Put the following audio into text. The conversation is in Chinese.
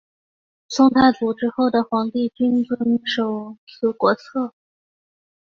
宋太祖之后的皇帝均遵守此国策。